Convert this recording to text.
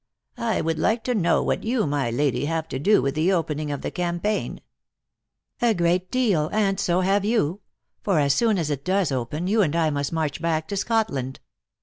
" I would like to know what you, rny Lady, have to do with the opening of the campaign ?"" A great deal, and so have you ; for, as soon as it does open, you and I must march back to Scotland."